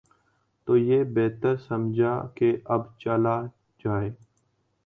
تو یہی بہتر سمجھا کہ اب چلا جائے۔